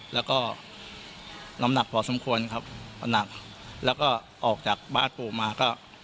แล้วก็น้ำหนักพอสมควรครับหนักแล้วก็ออกจากบ้านปู่มาก็